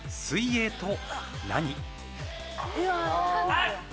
あっ！